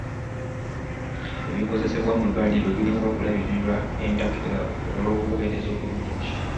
Ebikozesebwa mu ddwaliro birina okulabirirwa entakera olw'obuweereza obulungi.